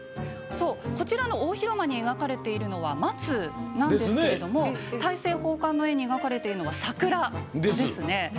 こちらの大広間に描かれているのは松なんですけども大政奉還の絵に描かれているのは桜ですね。